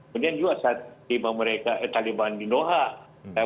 kemudian juga saat tiba mereka taliban di doha